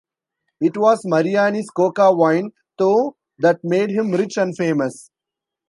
It was Mariani's coca wine, though, that made him rich and famous.